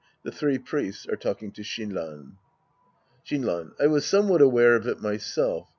The three Priests are talking to Shinran.) Shinran. I was somewhat aware of it myself.